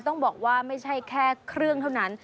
ต้องบอกว่าไม่ใช่แค่เครื่องเท่านั้น